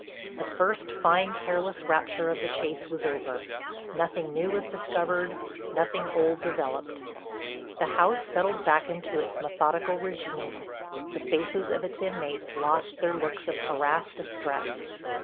The first, fine careless rapture of the chase was over; nothing new was discovered, nothing old developed. The house settled back to its methodical régime, the faces of its inmates lost their looks of harassed distress.